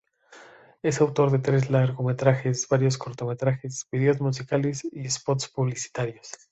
Es autor de tres largometrajes, varios cortometrajes, vídeos musicales y spots publicitarios.